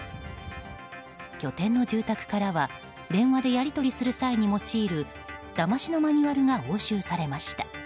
拠点の住宅からは電話でやり取りする際に用いるだましのマニュアルが押収されました。